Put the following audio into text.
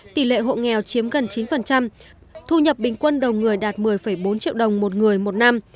tỷ lệ hộ nghèo chiếm gần chín thu nhập bình quân đầu người đạt một mươi bốn triệu đồng một người một năm